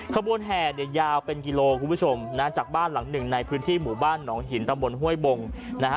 ขบวนแห่เนี่ยยาวเป็นกิโลคุณผู้ชมนะจากบ้านหลังหนึ่งในพื้นที่หมู่บ้านหนองหินตำบลห้วยบงนะฮะ